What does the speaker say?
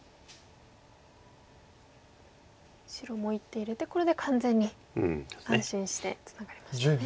白も一手入れてこれで完全に安心してツナがりましたね。